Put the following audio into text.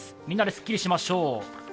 みんなですっきりしましょう。